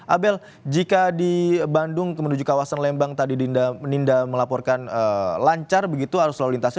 abel jika di bandung menuju kawasan lembang tadi dinda meninda melaporkan lancar begitu arus lalu lintasnya